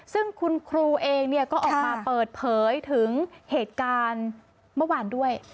ซึ่งคุณครูเองก็ออกมาเปิดเผยถึงเหตุการณ์เมื่อวานด้วย